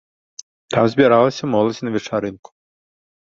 Там збіралася моладзь на вечарынку.